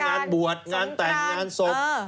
งานบวชงานแต่งงานศพ